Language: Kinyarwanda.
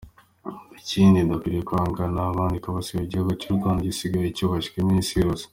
Ikindi dukwiriye kwamagana abandika basebya igihugu cy’u Rwanda gisigaye cyubashywe n’Isi yose.